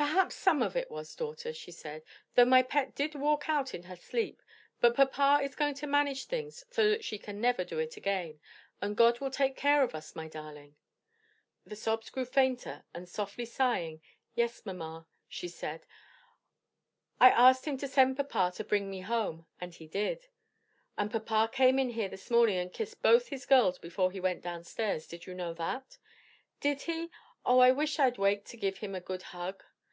"Perhaps some of it was, daughter," she said, "though my pet did walk out in her sleep; but papa is going to manage things so that she can never do it again. And God will take care of us, my darling." The sobs grew fainter and softly sighing, "Yes mamma," she said, "I asked him to send papa to bring me home, and he did." "And papa came in here this morning and kissed both his girls before he went down stairs. Did you know that?" "Did he? Oh I wish I'd waked to give him a good hug!"